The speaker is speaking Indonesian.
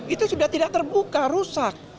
itu sudah tidak terbuka rusak